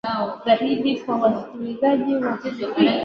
Uropa na Balkan Waturuki walipata ushawishi kutoka kwa Waalbania